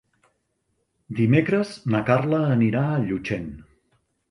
Dimecres na Carla anirà a Llutxent.